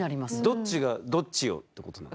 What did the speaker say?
どっちがどっちをってことなんですか？